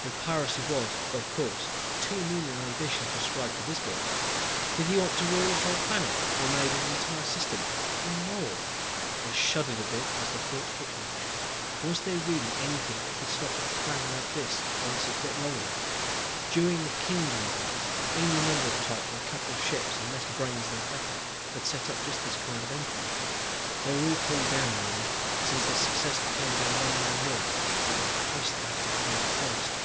Though piracy was, of course, too mean an ambition to ascribe to this boy. Did he want to rule a whole planet or maybe an entire system? Or more? I shuddered a bit as the thought hit me. Was there really anything that could stop a plan like this once it got rolling? During the Kingly Wars any number of types with a couple of ships and less brains than Pepe had set up just this kind of empire. They were all pulled down in the end, since their success depended on one man rule. But the price that had to be paid first!